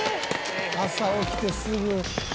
「朝起きてすぐ。